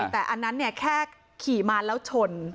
ใช่แต่อันนั้นเนี่ยแค่ขี่มาแล้วชน